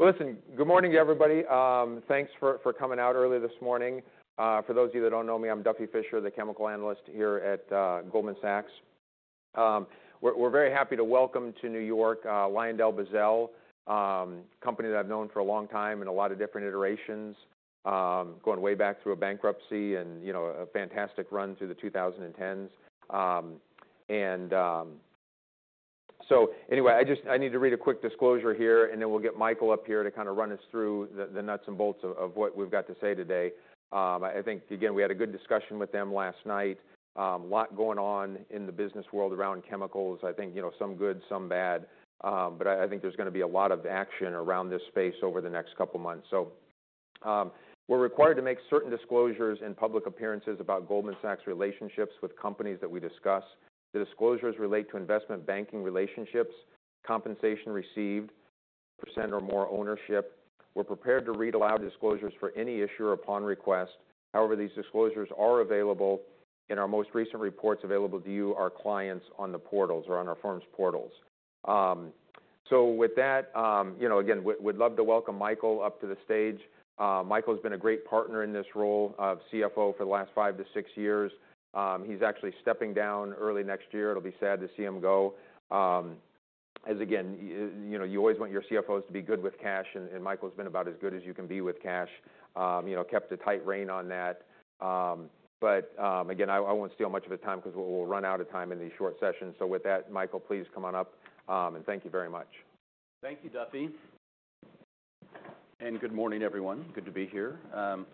Listen, good morning, everybody. Thanks for coming out early this morning. For those of you that don't know me, I'm Duffy Fischer, the chemical analyst here at Goldman Sachs. We're very happy to welcome to New York LyondellBasell, a company that I've known for a long time in a lot of different iterations, going way back through a bankruptcy and a fantastic run through the 2010s. Anyway, I need to read a quick disclosure here, and then we'll get Michael up here to kind of run us through the nuts and bolts of what we've got to say today. I think, again, we had a good discussion with them last night. A lot going on in the business world around chemicals, I think some good, some bad, but I think there's going to be a lot of action around this space over the next couple of months. So we're required to make certain disclosures and public appearances about Goldman Sachs' relationships with companies that we discuss. The disclosures relate to investment banking relationships, compensation received, 100% or more ownership. We're prepared to read aloud disclosures for any issuer upon request. However, these disclosures are available in our most recent reports available to you, our clients, on the portals or on our firm's portals. So with that, again, we'd love to welcome Michael up to the stage. Michael's been a great partner in this role of CFO for the last five to six years. He's actually stepping down early next year. It'll be sad to see him go. Again, you always want your CFOs to be good with cash, and Michael's been about as good as you can be with cash, kept a tight rein on that. But again, I won't steal much of his time because we'll run out of time in these short sessions. So with that, Michael, please come on up, and thank you very much. Thank you, Duffy and good morning, everyone. Good to be here. So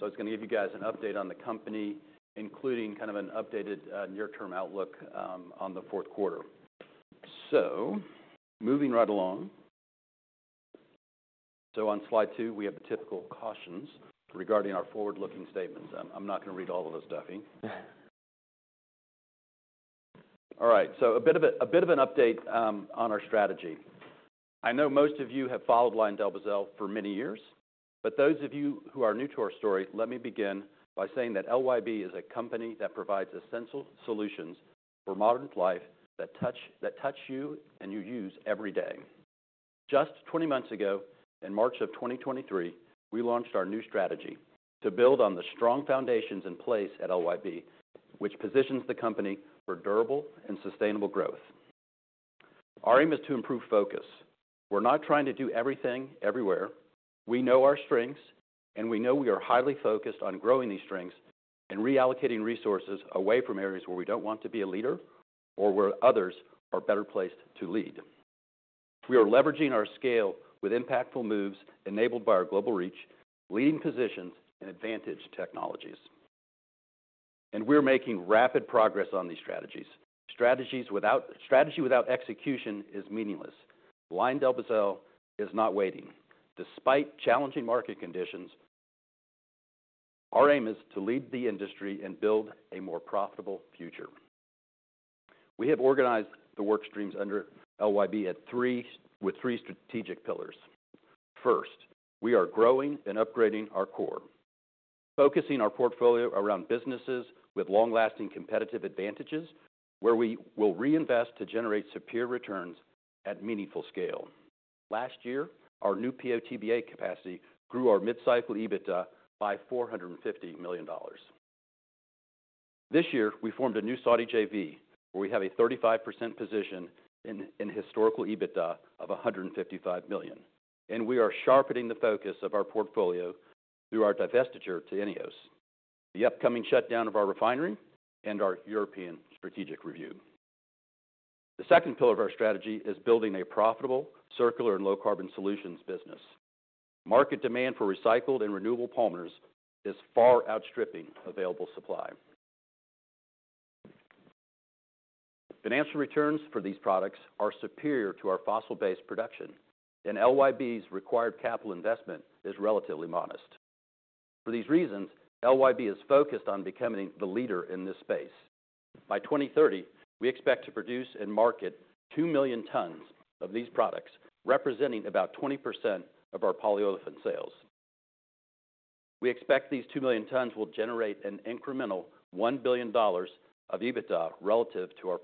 I was going to give you guys an update on the company, including kind of an updated near-term outlook on the fourth quarter. So moving right along. So on slide two, we have the typical cautions regarding our forward-looking statements. I'm not going to read all of those, Duffy. All right. So a bit of an update on our strategy. I know most of you have followed LyondellBasell for many years. But those of you who are new to our story, let me begin by saying that LYB is a company that provides essential solutions for modern life that touch you and you use every day. Just 20 months ago, in March of 2023, we launched our new strategy to build on the strong foundations in place at LYB, which positions the company for durable and sustainable growth. Our aim is to improve focus. We're not trying to do everything everywhere. We know our strengths, and we know we are highly focused on growing these strengths and reallocating resources away from areas where we don't want to be a leader or where others are better placed to lead. We are leveraging our scale with impactful moves enabled by our global reach, leading positions, and advantage technologies, and we're making rapid progress on these strategies. Strategy without execution is meaningless. LyondellBasell is not waiting. Despite challenging market conditions, our aim is to lead the industry and build a more profitable future. We have organized the work streams under LYB with three strategic pillars. First, we are growing and upgrading our core, focusing our portfolio around businesses with long-lasting competitive advantages where we will reinvest to generate superior returns at meaningful scale. Last year, our new PO/TBA capacity grew our mid-cycle EBITDA by $450 million. This year, we formed a new Saudi JV where we have a 35% position in historical EBITDA of $155 million, and we are sharpening the focus of our portfolio through our divestiture to INEOS, the upcoming shutdown of our refinery, and our European strategic review. The second pillar of our strategy is building a profitable circular and low-carbon solutions business. Market demand for recycled and renewable polymers is far outstripping available supply. Financial returns for these products are superior to our fossil-based production, and LYB's required capital investment is relatively modest. For these reasons, LYB is focused on becoming the leader in this space. By 2030, we expect to produce and market 2 million tons of these products, representing about 20% of our polyolefin sales. We expect these 2 million tons will generate an incremental $1 billion of EBITDA relative to our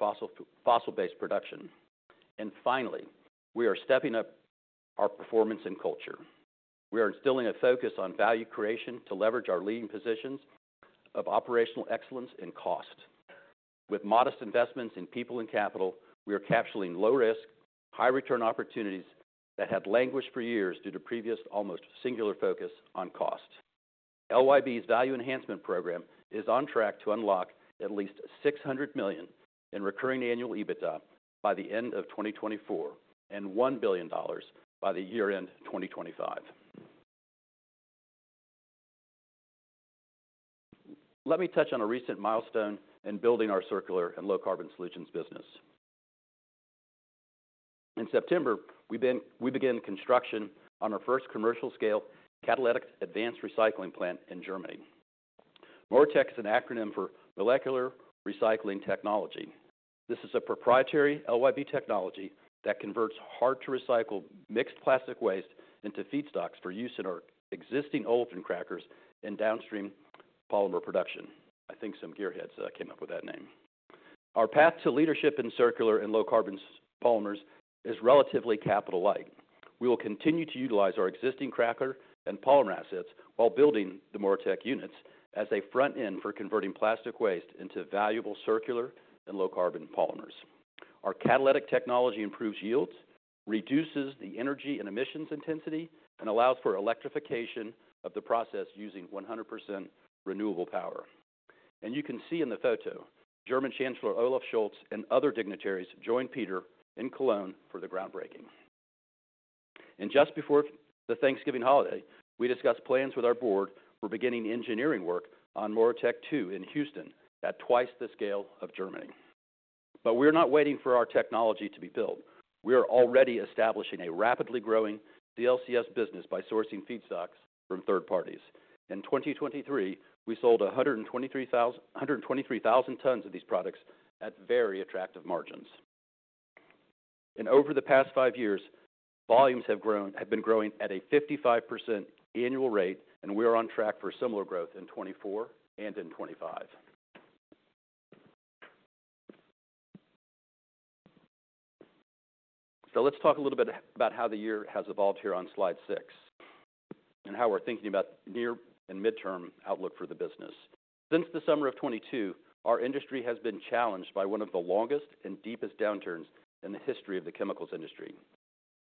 fossil-based production. And finally, we are stepping up our performance and culture. We are instilling a focus on value creation to leverage our leading positions of operational excellence and cost. With modest investments in people and capital, we are capturing low-risk, high-return opportunities that had languished for years due to previous almost singular focus on cost. LYB's Value Enhancement Program is on track to unlock at least $600 million in recurring annual EBITDA by the end of 2024 and $1 billion by the year-end 2025. Let me touch on a recent milestone in building our Circular and Low-Carbon Solutions business. In September, we began construction on our first commercial-scale catalytic advanced recycling plant in Germany. MoReTec is an acronym for Molecular Recycling Technology. This is a proprietary LYB technology that converts hard-to-recycle mixed plastic waste into feedstocks for use in our existing oil-fed crackers and downstream polymer production. I think some gearheads came up with that name. Our path to leadership in circular and low-carbon polymers is relatively capital-light. We will continue to utilize our existing cracker and polymer assets while building the MoReTec units as a front end for converting plastic waste into valuable circular and low-carbon polymers. Our catalytic technology improves yields, reduces the energy and emissions intensity, and allows for electrification of the process using 100% renewable power, and you can see in the photo, German Chancellor Olaf Scholz and other dignitaries join Peter in Cologne for the groundbreaking, and just before the Thanksgiving holiday, we discussed plans with our board for beginning engineering work on MoReTec II in Houston at twice the scale of Germany. But we're not waiting for our technology to be built. We are already establishing a rapidly growing CLCS business by sourcing feedstocks from third parties. In 2023, we sold 123,000 tons of these products at very attractive margins. And over the past five years, volumes have been growing at a 55% annual rate, and we are on track for similar growth in 2024 and in 2025. So let's talk a little bit about how the year has evolved here on slide six and how we're thinking about near and midterm outlook for the business. Since the summer of 2022, our industry has been challenged by one of the longest and deepest downturns in the history of the chemicals industry.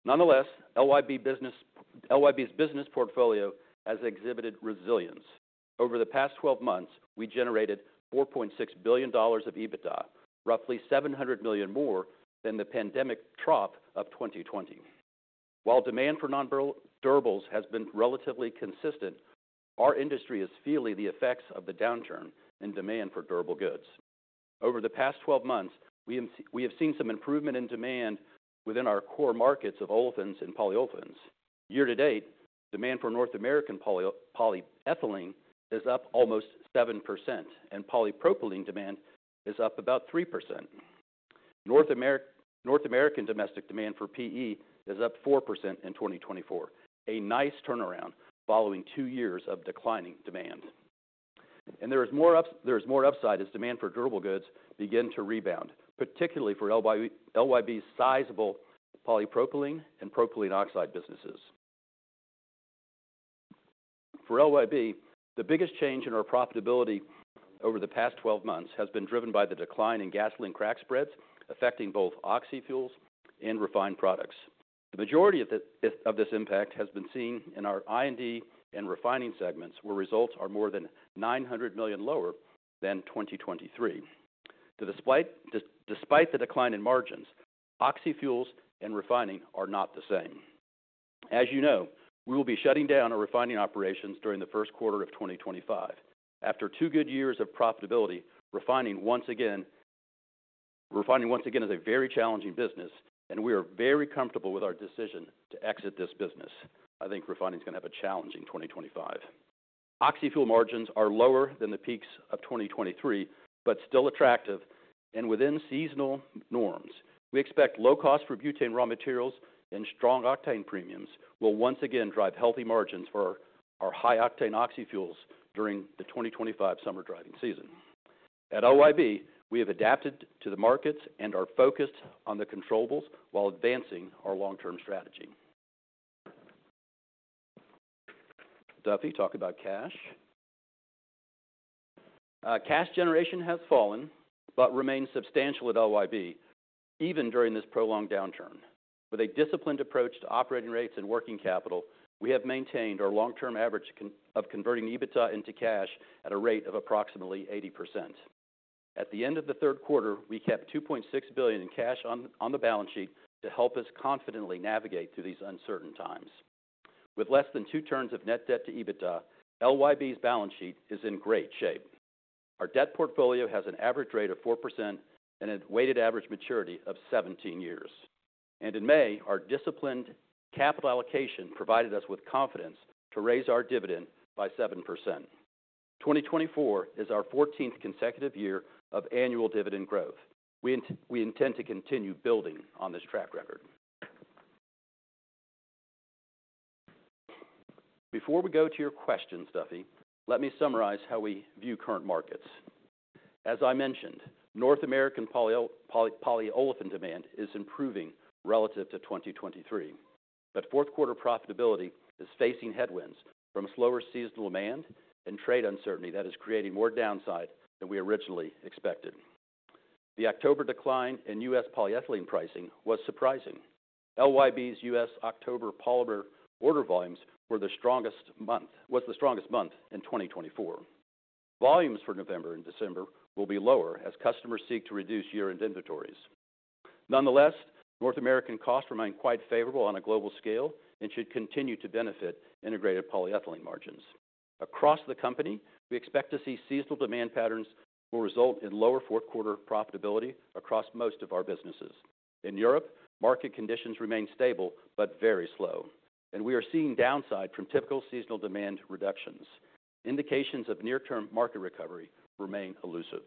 Nonetheless, LYB's business portfolio has exhibited resilience. Over the past 12 months, we generated $4.6 billion of EBITDA, roughly $700 million more than the pandemic trough of 2020. While demand for non-durables has been relatively consistent, our industry is feeling the effects of the downturn in demand for durable goods. Over the past 12 months, we have seen some improvement in demand within our core markets of olefins and polyolefins. Year-to-date, demand for North American polyethylene is up almost 7%, and polypropylene demand is up about 3%. North American domestic demand for PE is up 4% in 2024, a nice turnaround following two years of declining demand. And there is more upside as demand for durable goods begins to rebound, particularly for LYB's sizable polypropylene and propylene oxide businesses. For LYB, the biggest change in our profitability over the past 12 months has been driven by the decline in gasoline crack spreads affecting both oxyfuels and refined products. The majority of this impact has been seen in our I&D and refining segments, where results are more than $900 million lower than 2023. Despite the decline in margins, oxyfuels and refining are not the same. As you know, we will be shutting down our refining operations during the first quarter of 2025. After two good years of profitability, refining once again is a very challenging business, and we are very comfortable with our decision to exit this business. I think refining is going to have a challenging 2025. Oxy fuel margins are lower than the peaks of 2023 but still attractive and within seasonal norms. We expect low cost for butane raw materials and strong octane premiums will once again drive healthy margins for our high-octane oxyfuels during the 2025 summer driving season. At LYB, we have adapted to the markets and are focused on the controllable while advancing our long-term strategy. Duffy, talk about cash. Cash generation has fallen but remained substantial at LYB, even during this prolonged downturn. With a disciplined approach to operating rates and working capital, we have maintained our long-term average of converting EBITDA into cash at a rate of approximately 80%. At the end of the third quarter, we kept $2.6 billion in cash on the balance sheet to help us confidently navigate through these uncertain times. With less than two turns of net debt to EBITDA, LYB's balance sheet is in great shape. Our debt portfolio has an average rate of 4% and a weighted average maturity of 17 years, and in May, our disciplined capital allocation provided us with confidence to raise our dividend by 7%. 2024 is our 14th consecutive year of annual dividend growth. We intend to continue building on this track record. Before we go to your questions, Duffy, let me summarize how we view current markets. As I mentioned, North American polyolefin demand is improving relative to 2023. But fourth quarter profitability is facing headwinds from slower seasonal demand and trade uncertainty that is creating more downside than we originally expected. The October decline in U.S. polyethylene pricing was surprising. LYB's U.S. October polymer order volumes were the strongest month in 2024. Volumes for November and December will be lower as customers seek to reduce year-end inventories. Nonetheless, North American costs remain quite favorable on a global scale and should continue to benefit integrated polyethylene margins. Across the company, we expect to see seasonal demand patterns will result in lower fourth quarter profitability across most of our businesses. In Europe, market conditions remain stable but very slow, and we are seeing downside from typical seasonal demand reductions. Indications of near-term market recovery remain elusive.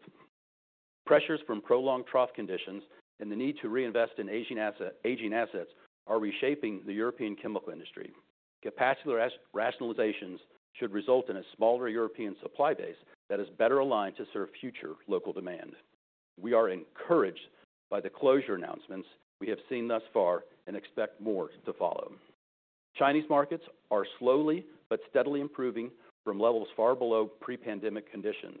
Pressures from prolonged trough conditions and the need to reinvest in aging assets are reshaping the European chemical industry. Capacity rationalizations should result in a smaller European supply base that is better aligned to serve future local demand. We are encouraged by the closure announcements we have seen thus far and expect more to follow. Chinese markets are slowly but steadily improving from levels far below pre-pandemic conditions.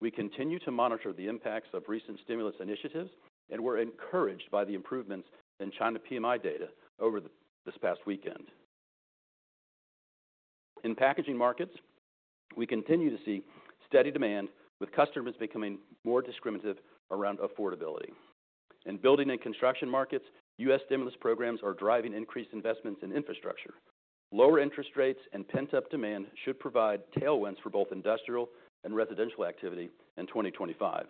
We continue to monitor the impacts of recent stimulus initiatives, and we're encouraged by the improvements in China PMI data over this past weekend. In packaging markets, we continue to see steady demand with customers becoming more discriminative around affordability. In building and construction markets, U.S. stimulus programs are driving increased investments in infrastructure. Lower interest rates and pent-up demand should provide tailwinds for both industrial and residential activity in 2025.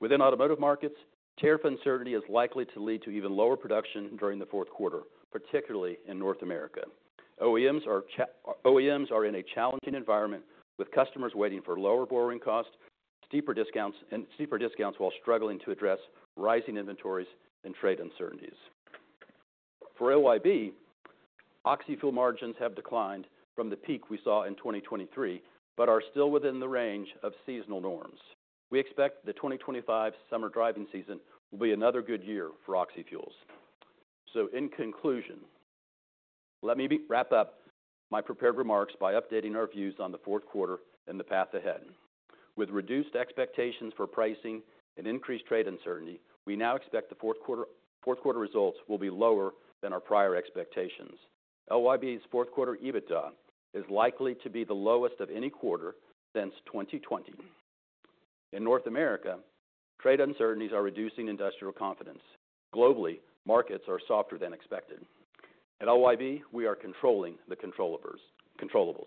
Within automotive markets, tariff uncertainty is likely to lead to even lower production during the fourth quarter, particularly in North America. OEMs are in a challenging environment with customers waiting for lower borrowing costs, steeper discounts, while struggling to address rising inventories and trade uncertainties. For LYB, oxyfuel margins have declined from the peak we saw in 2023 but are still within the range of seasonal norms. We expect the 2025 summer driving season will be another good year for oxyfuels. So in conclusion, let me wrap up my prepared remarks by updating our views on the fourth quarter and the path ahead. With reduced expectations for pricing and increased trade uncertainty, we now expect the fourth quarter results will be lower than our prior expectations. LYB's fourth quarter EBITDA is likely to be the lowest of any quarter since 2020. In North America, trade uncertainties are reducing industrial confidence. Globally, markets are softer than expected. At LYB, we are controlling the controllables.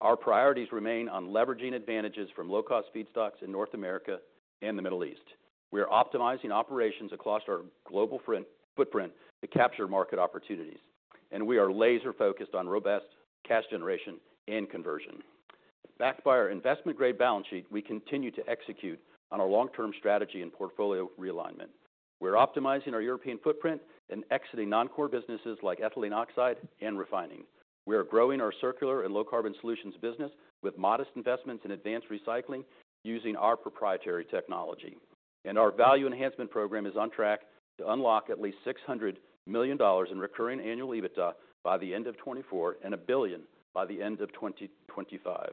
Our priorities remain on leveraging advantages from low-cost feedstocks in North America and the Middle East. We are optimizing operations across our global footprint to capture market opportunities, and we are laser-focused on robust cash generation and conversion. Backed by our investment-grade balance sheet, we continue to execute on our long-term strategy and portfolio realignment. We're optimizing our European footprint and exiting non-core businesses like ethylene oxide and refining. We are growing our circular and low-carbon solutions business with modest investments in advanced recycling using our proprietary technology. Our Value Enhancement Program is on track to unlock at least $600 million in recurring annual EBITDA by the end of 2024 and $1 billion by the end of 2025.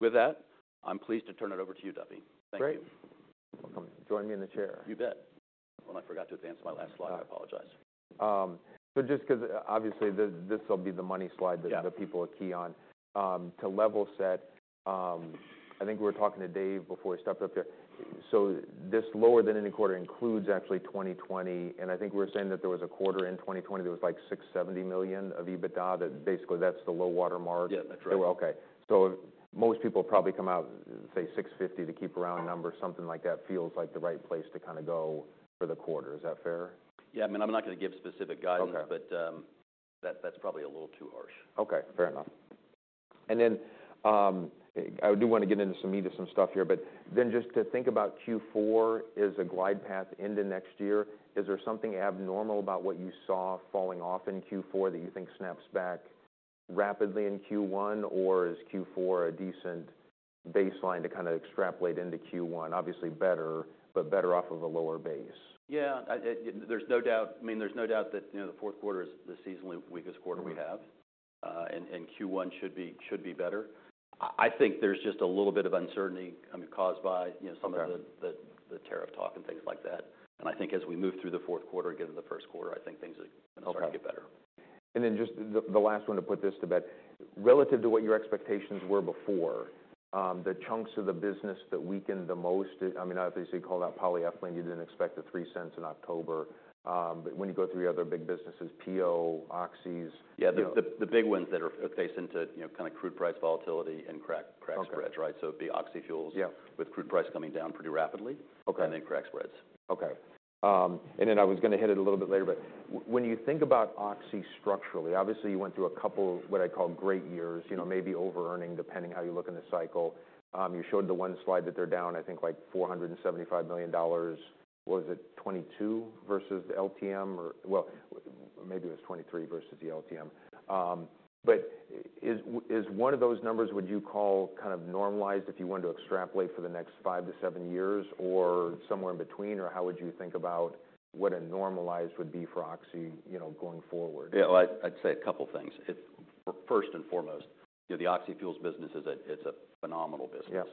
With that, I'm pleased to turn it over to you, Duffy. Thank you. Great. Welcome. Join me in the chair. You bet. Oh, and I forgot to advance my last slide. I apologize. Just because obviously this will be the money slide that people are key on. To level set, I think we were talking to Dave before he stepped up here. This lower than any quarter includes actually 2020. I think we were saying that there was a quarter in 2020 that was like $670 million of EBITDA that basically that's the low watermark. Yeah, that's right. Okay. Most people probably come out, say, $650 to keep around number or something like that feels like the right place to kind of go for the quarter. Is that fair? Yeah. I mean, I'm not going to give specific guidance, but that's probably a little too harsh. Okay. Fair enough. And then I do want to get into some stuff here. But then just to think about Q4 as a glide path into next year, is there something abnormal about what you saw falling off in Q4 that you think snaps back rapidly in Q1 or is Q4 a decent baseline to kind of extrapolate into Q1? Obviously better, but better off with a lower base. Yeah. I mean, there's no doubt that the fourth quarter is the seasonally weakest quarter we have. And Q1 should be better. I think there's just a little bit of uncertainty caused by some of the tariff talk and things like that. I think as we move through the fourth quarter and get into the first quarter, I think things are going to start to get better. Then just the last one to put this to bed, relative to what your expectations were before, the chunks of the business that weakened the most, I mean, obviously call that polyethylene. You didn't expect the $0.03 in October. But when you go through your other big businesses, PO, oxys. Yeah. The big ones that are facing kind of crude price volatility and crack spreads, right? So it'd be oxy fuels with crude price coming down pretty rapidly and then crack spreads. Okay. And then I was going to hit it a little bit later, but when you think about oxy structurally, obviously you went through a couple of what I call great years, maybe over-earning depending how you look in the cycle. You showed the one slide that they're down, I think, like $475 million. Was it 22 versus the LTM? Well, maybe it was 23 versus the LTM. But is one of those numbers, would you call kind of normalized if you wanted to extrapolate for the next five to seven years or somewhere in between or how would you think about what a normalized would be for oxy going forward? Yeah. Well, I'd say a couple of things. First and foremost, the oxyfuels business, it's a phenomenal business.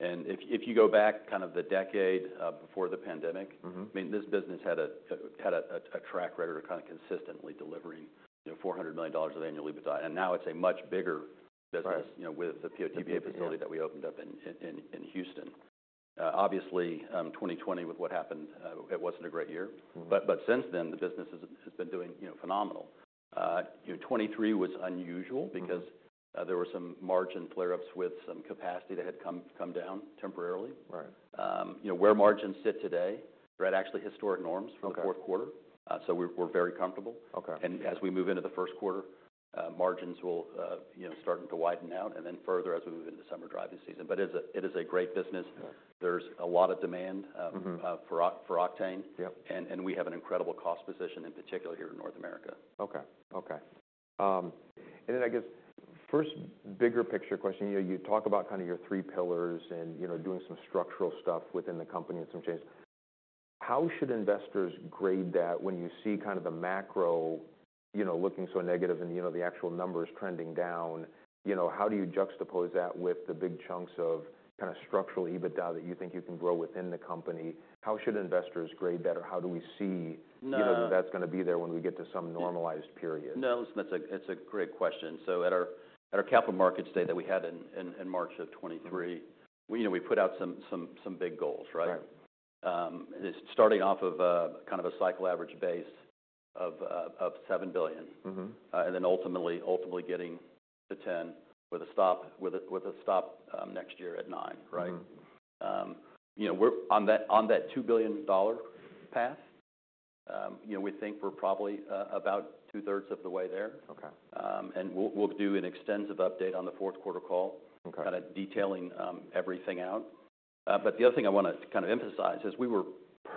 If you go back kind of the decade before the pandemic, I mean, this business had a track record of kind of consistently delivering $400 million of annual EBITDA. Now it's a much bigger business with the PO/TBA facility that we opened up in Houston. Obviously, 2020 with what happened, it wasn't a great year. Since then, the business has been doing phenomenal. 2023 was unusual because there were some margin flare-ups with some capacity that had come down temporarily. Where margins sit today, they're at actually historic norms for the fourth quarter. We're very comfortable. As we move into the first quarter, margins will start to widen out and then further as we move into the summer driving season. It is a great business. There's a lot of demand for octane. We have an incredible cost position, in particular here in North America. Okay. Okay. And then I guess first bigger picture question, you talk about kind of your three pillars and doing some structural stuff within the company and some changes. How should investors grade that when you see kind of the macro looking so negative and the actual numbers trending down? How do you juxtapose that with the big chunks of kind of structural EBITDA that you think you can grow within the company? How should investors grade that or how do we see that that's going to be there when we get to some normalized period? No. Listen, that's a great question. So at our Capital Markets Day that we had in March of 2023, we put out some big goals, right? Starting off of kind of a cycle average base of $7 billion and then ultimately getting to $10 billion with a stop next year at $9 billion, right? We're on that $2 billion path. We think we're probably about 2/3 of the way there. And we'll do an extensive update on the fourth quarter call, kind of detailing everything out. But the other thing I want to kind of emphasize is we were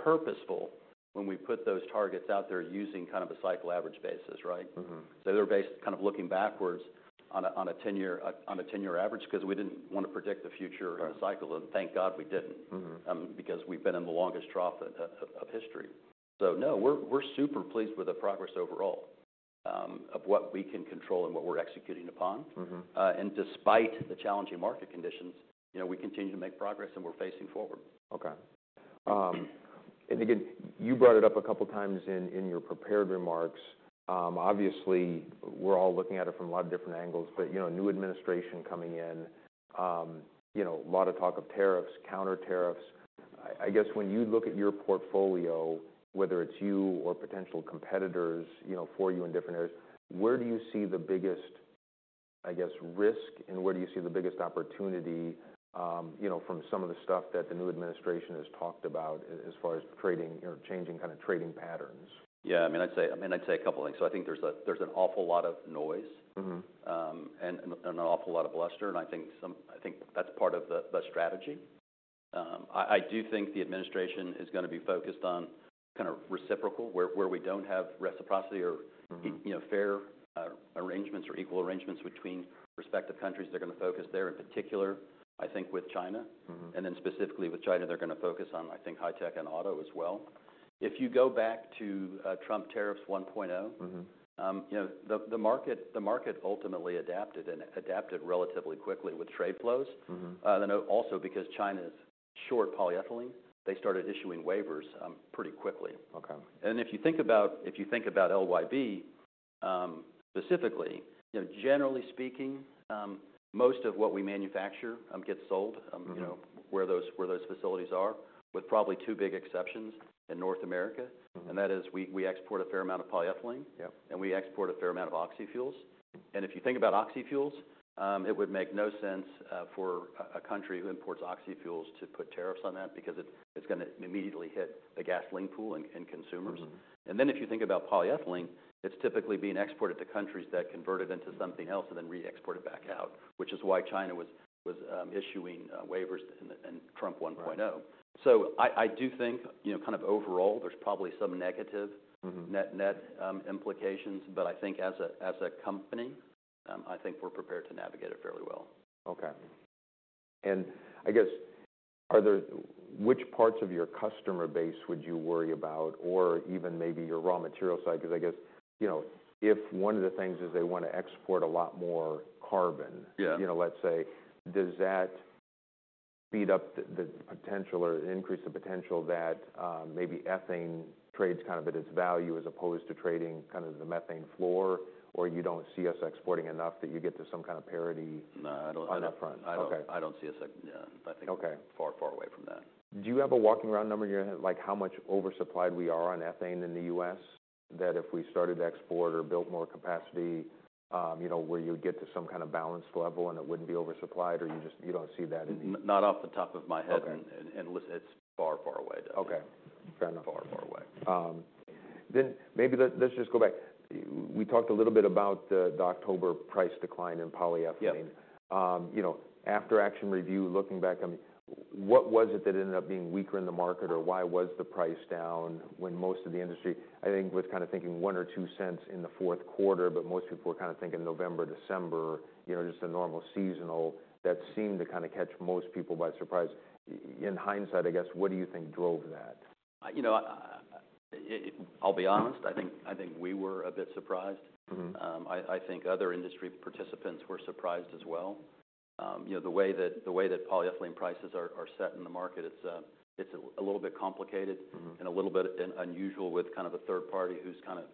purposeful when we put those targets out there using kind of a cycle average basis, right? So they're based kind of looking backwards on a 10-year average because we didn't want to predict the future of the cycle. And thank God we didn't because we've been in the longest trough of history. So no, we're super pleased with the progress overall of what we can control and what we're executing upon. Despite the challenging market conditions, we continue to make progress and we're facing forward. Okay. Again, you brought it up a couple of times in your prepared remarks. Obviously, we're all looking at it from a lot of different angles. New administration coming in, a lot of talk of tariffs, counter tariffs. When you look at your portfolio, whether it's you or potential competitors for you in different areas, where do you see the biggest, I guess, risk and where do you see the biggest opportunity from some of the stuff that the new administration has talked about as far as changing kind of trading patterns? Yeah. I mean, I'd say a couple of things. I think there's an awful lot of noise and an awful lot of bluster. I think that's part of the strategy. I do think the administration is going to be focused on kind of reciprocal where we don't have reciprocity or fair arrangements or equal arrangements between respective countries. They're going to focus there in particular, I think, with China. And then specifically with China, they're going to focus on, I think, high tech and auto as well. If you go back to Trump tariffs 1.0, the market ultimately adapted and adapted relatively quickly with trade flows. And then also because China's short polyethylene, they started issuing waivers pretty quickly. And then if you think about LYB specifically, generally speaking, most of what we manufacture gets sold where those facilities are, with probably two big exceptions in North America. And that is we export a fair amount of polyethylene and we export a fair amount of oxyfuels. And if you think about oxyfuels, it would make no sense for a country who imports oxyfuels to put tariffs on that because it's going to immediately hit the gasoline pool and consumers. And then if you think about polyethylene, it's typically being exported to countries that converted into something else and then re-exported back out, which is why China was issuing waivers in Trump 1.0. So I do think kind of overall, there's probably some negative net implications. But I think as a company, I think we're prepared to navigate it fairly well. Okay. And I guess which parts of your customer base would you worry about or even maybe your raw material side? Because if one of the things is they want to export a lot more carbon, let's say, does that speed up the potential or increase the potential that maybe ethane trades kind of at its value as opposed to trading kind of the methane floor or you don't see us exporting enough that you get to some kind of parity on the front? I don't see us. Yeah. I think we're far, far away from that. Do you have a ballpark round number in your head? Like how much oversupplied we are on ethane in the U.S. that if we started to export or built more capacity where you'll would get to some kind of balanced level and it wouldn't be oversupplied or you don't see that in the? Not off the top of my head. Listen, it's far, far away. Okay. Fair enough. Far, far away. Then, maybe let's just go back. We talked a little bit about the October price decline in polyethylene. After-action review, looking back, I mean, what was it that ended up being weaker in the market or why was the price down when most of the industry, I think, was kind of thinking $0.01 to $0.02 in the fourth quarter? But most people were kind of thinking November, December, just a normal seasonal that seemed to kind of catch most people by surprise. In hindsight, I guess, what do you think drove that? I'll be honest. I think we were a bit surprised. I think other industry participants were surprised as well. The way that polyethylene prices are set in the market, it's a little bit complicated and a little bit unusual with kind of a third party who's kind of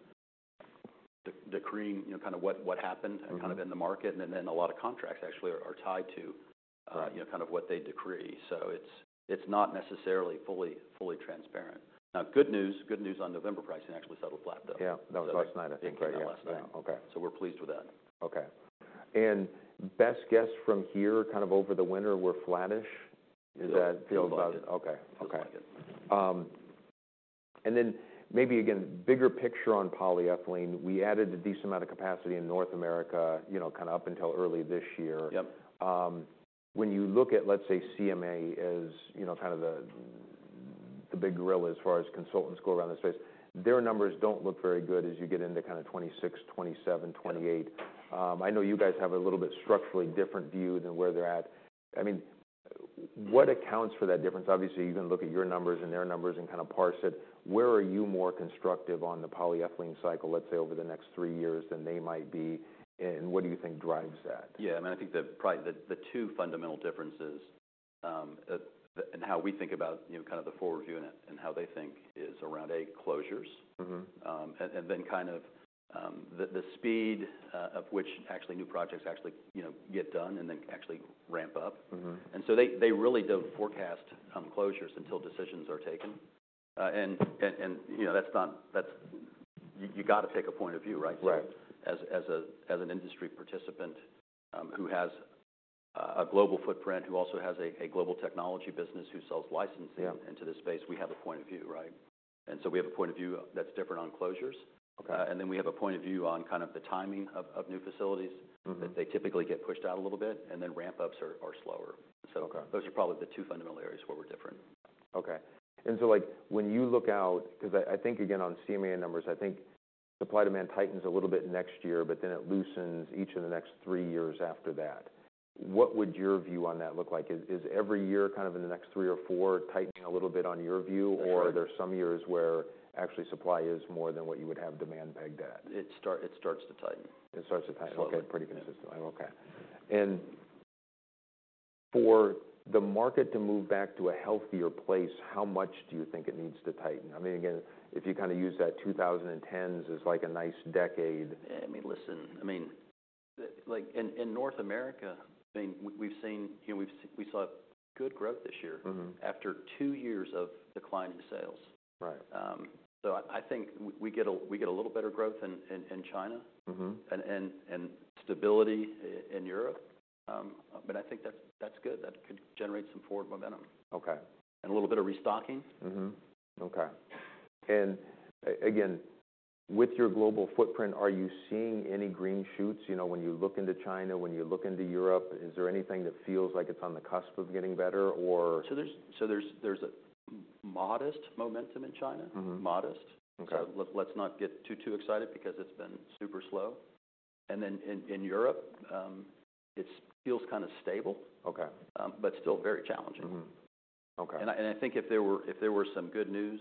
decreeing kind of what happened kind of in the market. And then a lot of contracts actually are tied to kind of what they decree. So it's not necessarily fully transparent. Now, good news. Good news on November pricing actually settled flat, though. Yeah. That was last night, I think, right. Yeah, last night. Okay. So we're pleased with that. Okay. And best guess from here kind of over the winter, we're flattish? Is that feel about? Yeah. Feels about good. Okay. And then maybe again, bigger picture on polyethylene, we added a decent amount of capacity in North America kind of up until early this year. When you look at, let's say, CMA as kind of the big gorilla as far as consultants go around the space, their numbers don't look very good as you get into kind of 2026, 2027, 2028. I know you guys have a little bit structurally different view than where they're at. I mean, what accounts for that difference? Obviously, you can look at your numbers and their numbers and kind of parse it. Where are you more constructive on the polyethylene cycle, let's say, over the next three years than they might be? And what do you think drives that? Yeah. I mean, I think the two fundamental differences and how we think about kind of the forward view and how they think is around, A, closures. And then kind of the speed of which actually new projects actually get done and then actually ramp up. And so they really don't forecast closures until decisions are taken. And that's not you got to pick a point of view, right? So as an industry participant who has a global footprint, who also has a global technology business who sells licensing into this space, we have a point of view, right? And so we have a point of view that's different on closures. And then we have a point of view on kind of the timing of new facilities that they typically get pushed out a little bit and then ramp-ups are slower. So those are probably the two fundamental areas where we're different. Okay. And so when you look out, because I think again on CMA numbers, I think supply-demand tightens a little bit next year, but then it loosens each of the next three years after that. What would your view on that look like? Is every year kind of in the next three or four tightening a little bit on your view or are there some years where actually supply is more than what you would have demand pegged at? It starts to tighten. It starts to tighten, okay, oretty consistently. Okay. And for the market to move back to a healthier place, how much do you think it needs to tighten? I mean, again, if you kind of use that 2010s as like a nice decade. I mean, listen. I mean, in North America, I mean, we saw good growth this year after two years of declining sales. So I think we get a little better growth in China and stability in Europe. But I think that's good. That could generate some forward momentum and a little bit of restocking. Okay. Again, with your global footprint, are you seeing any green shoots when you look into China, when you look into Europe? Is there anything that feels like it's on the cusp of getting better or? So there's a modest momentum in China. Modest. So let's not get too, too excited because it's been super slow. And then in Europe, it feels kind of stable but still very challenging. And I think if there were some good news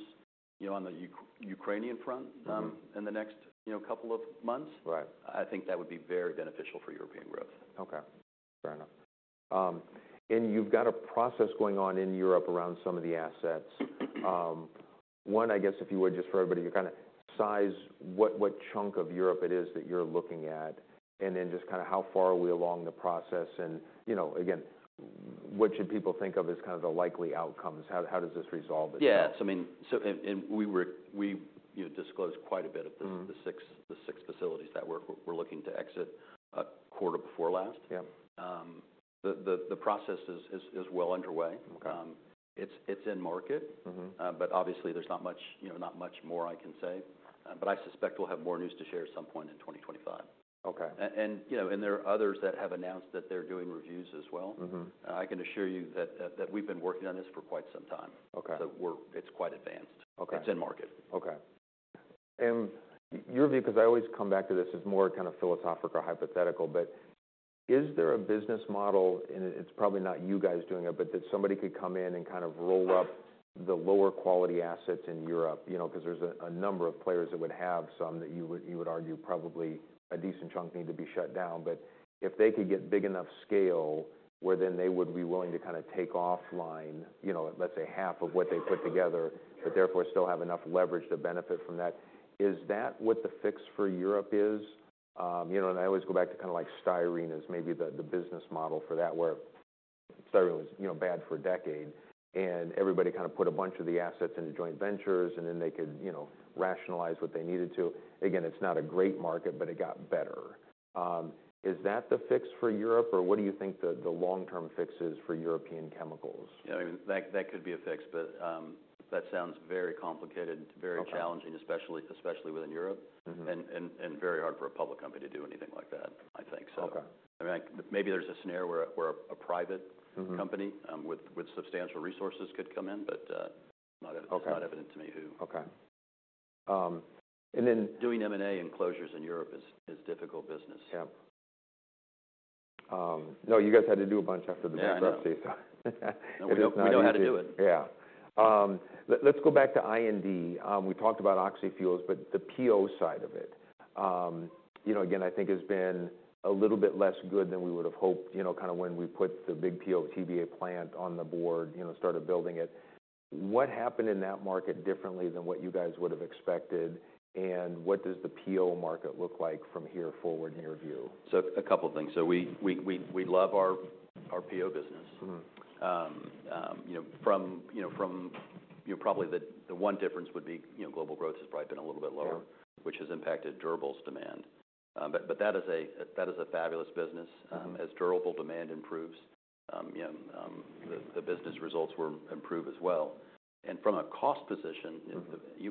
on the Ukrainian front in the next couple of months, I think that would be very beneficial for European growth. Okay. Fair enough. And you've got a process going on in Europe around some of the assets. One, I guess, if you would, just for everybody, you kind of size what chunk of Europe it is that you're looking at. And then just kind of how far are we along the process? Again, what should people think of as kind of the likely outcomes? How does this resolve itself? Yeah. I mean, and we disclosed quite a bit of the six facilities that we're looking to exit a quarter before last. The process is well underway. It's in market. But obviously, there's not much more I can say. I suspect we'll have more news to share at some point in 2025. There are others that have announced that they're doing reviews as well. I can assure you that we've been working on this for quite some time. It's quite advanced. It's in market. Okay. Your view, because I always come back to this, is more kind of philosophical or hypothetical. Is there a business model? It's probably not you guys doing it, but that somebody could come in and kind of roll up the lower quality assets in Europe? Because there's a number of players that would have some that you would argue probably a decent chunk need to be shut down. But if they could get big enough scale where then they would be willing to kind of take offline, let's say, half of what they put together, but therefore still have enough leverage to benefit from that, is that what the fix for Europe is? And I always go back to kind of like Styrene as maybe the business model for that, where Styrene was bad for a decade and everybody kind of put a bunch of the assets into joint ventures and then they could rationalize what they needed to. Again, it's not a great market, but it got better. Is that the fix for Europe or what do you think the long-term fix is for European chemicals? Yeah. I mean, that could be a fix. But that sounds very complicated and very challenging, especially within Europe, and very hard for a public company to do anything like that, I think. So I mean, maybe there's a scenario where a private company with substantial resources could come in, but it's not evident to me who. And then doing M&A and closures in Europe is difficult business. No, you guys had to do a bunch after the bankruptcy, so. We know how to do it. Yeah. Let's go back to I&D. We talked about oxyfuels, but the PO side of it, again, I think has been a little bit less good than we would have hoped kind of when we put the big PO/TBA plant on the board, started building it. What happened in that market differently than what you guys would have expected? And what does the PO market look like from here forward in your view? So a couple of things. So we love our PO business. From probably the one difference would be global growth has probably been a little bit lower, which has impacted durables demand. But that is a fabulous business. As durable demand improves, the business results will improve as well. And from a cost position,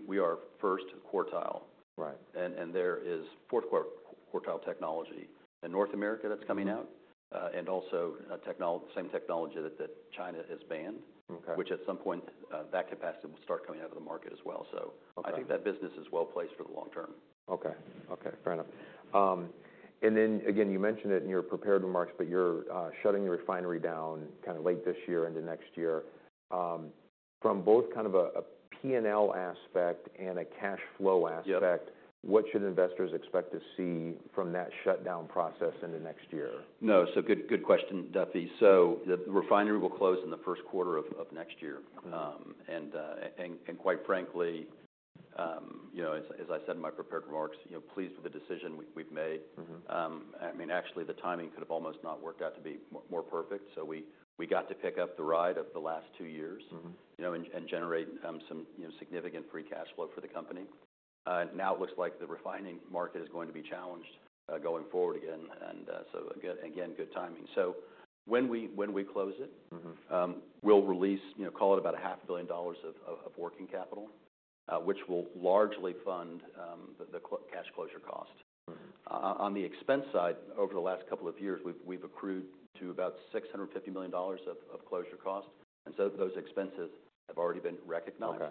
we are first quartile. And there is fourth quartile technology in North America that's coming out and also same technology that China has banned, which at some point that capacity will start coming out of the market as well. So I think that business is well placed for the long term. Okay. Okay. Fair enough. And then again, you mentioned it in your prepared remarks, but you're shutting the refinery down kind of late this year into next year. From both kind of a P&L aspect and a cash flow aspect, what should investors expect to see from that shutdown process into next year? No. So good question, Duffy. So the refinery will close in the first quarter of next year. And quite frankly, as I said in my prepared remarks, pleased with the decision we've made. I mean, actually, the timing could have almost not worked out to be more perfect. We got to pick up the ride of the last two years and generate some significant free cash flow for the company. Now it looks like the refining market is going to be challenged going forward again. And so again, good timing. So when we close it, we'll release, call it about $500 million of working capital, which will largely fund the cash closure cost. On the expense side, over the last couple of years, we've accrued to about $650 million of closure cost. And so those expenses have already been recognized.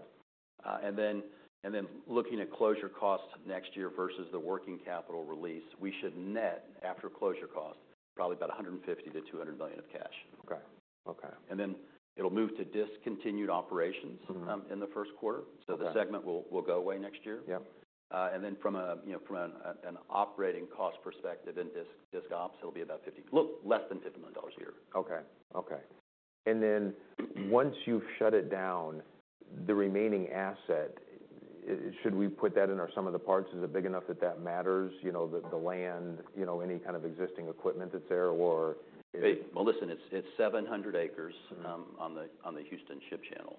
And then looking at closure cost next year versus the working capital release, we should net, after closure cost, probably about $150-$200 million of cash. And then it'll move to discontinued operations in the first quarter. So the segment will go away next year. From an operating cost perspective in discontinued ops, it'll be about less than $50 million a year. Okay. Okay. Then once you've shut it down, the remaining asset, should we put that in or some of the parts, is it big enough that that matters? The land, any kind of existing equipment that's there or? Listen, it's 700 acres on the Houston Ship Channel.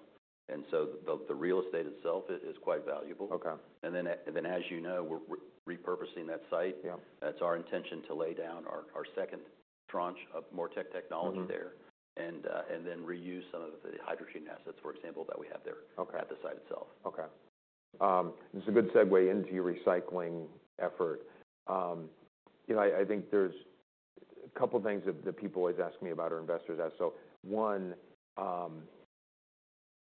So the real estate itself is quite valuable. Then as you know, we're repurposing that site. That's our intention to lay down our second tranche of MoReTec technology there and then reuse some of the hydrogen assets, for example, that we have there at the site itself. Okay. This is a good segue into your recycling effort. I think there's a couple of things that people always ask me about or investors ask. So one,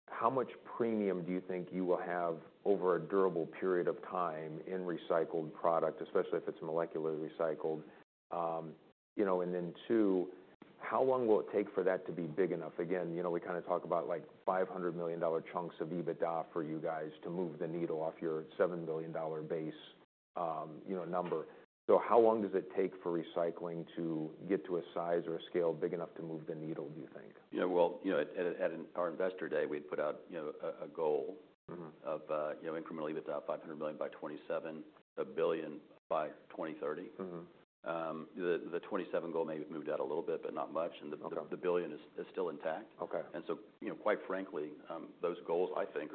how much premium do you think you will have over a durable period of time in recycled product, especially if it's molecularly recycled? And then two, how long will it take for that to be big enough? Again, we kind of talk about like $500 million chunks of EBITDA for you guys to move the needle off your $7 billion base number. So how long does it take for recycling to get to a size or a scale big enough to move the needle, do you think? Yeah. Well, at our Investor Day, we'd put out a goal of incremental EBITDA of $500 million by 2027, a billion by 2030. The 2027 goal may have moved out a little bit, but not much. And the billion is still intact. And so quite frankly, those goals, I think,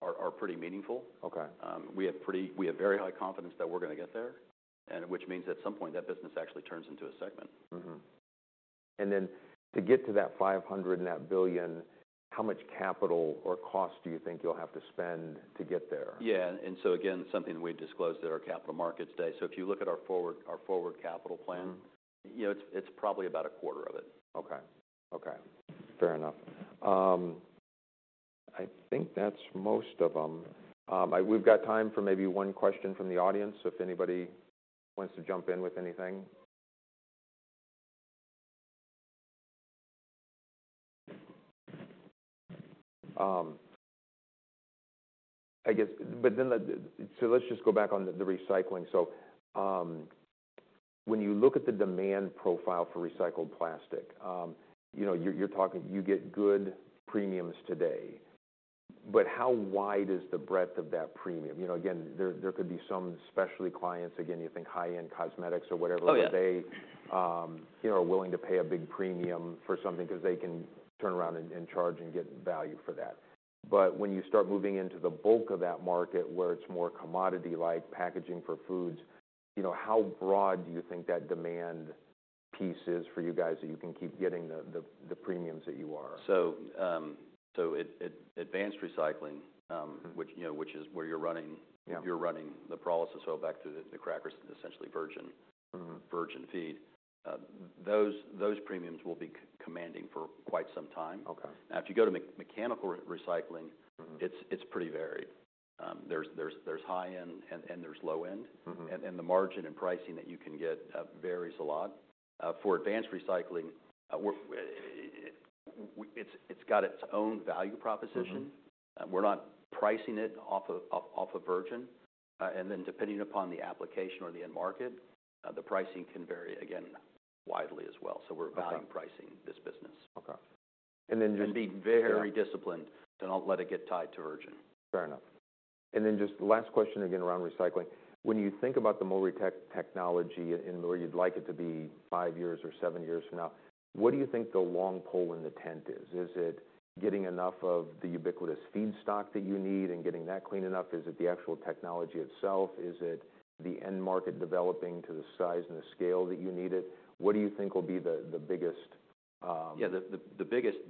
are pretty meaningful. We have very high confidence that we're going to get there, which means at some point that business actually turns into a segment. And then to get to that $500 and that billion, how much capital or cost do you think you'll have to spend to get there? Yeah. And so again, something we've disclosed at our capital markets day. So if you look at our forward capital plan, it's probably about a quarter of it. Okay. Okay. Fair enough. I think that's most of them. We've got time for maybe one question from the audience if anybody wants to jump in with anything. But then so let's just go back on the recycling. So when you look at the demand profile for recycled plastic, you're talking, you get good premiums today. But how wide is the breadth of that premium? Again, there could be some specialty clients, again, you think high-end cosmetics or whatever, where they are willing to pay a big premium for something because they can turn around and charge and get value for that. But when you start moving into the bulk of that market where it's more commodity-like packaging for foods, how broad do you think that demand piece is for you guys that you can keep getting the premiums that you are? So advanced recycling, which is where you're running the process back to the crackers, essentially, virgin feed, those premiums will be commanding for quite some time. Now, if you go to mechanical recycling, it's pretty varied. There's high-end and there's low-end. And the margin and pricing that you can get varies a lot. For advanced recycling, it's got its own value proposition. We're not pricing it off of virgin. And then depending upon the application or the end market, the pricing can vary, again, widely as well. So we're value pricing this business. And then just be very disciplined and don't let it get tied to virgin. Fair enough. And then just the last question again around recycling. When you think about the MoReTec technology and where you'd like it to be five years or seven years from now, what do you think the long pole in the tent is? Is it getting enough of the ubiquitous feedstock that you need and getting that clean enough? Is it the actual technology itself? Is it the end market developing to the size and the scale that you need it? What do you think will be the biggest? Yeah. The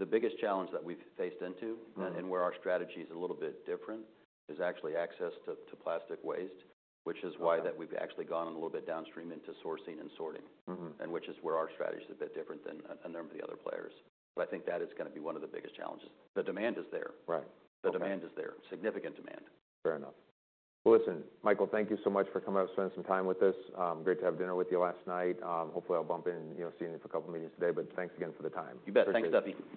biggest challenge that we've faced into and where our strategy is a little bit different is actually access to plastic waste, which is why that we've actually gone a little bit downstream into sourcing and sorting, and which is where our strategy is a bit different than a number of the other players. But I think that is going to be one of the biggest challenges. The demand is there. The demand is there, significant demand. Fair enough. Well, listen, Michael, thank you so much for coming up and spending some time with us. Great to have dinner with you last night. Hopefully, I'll bump in and see you in a couple of meetings today. But thanks again for the time. You bet. Thanks, Duffy.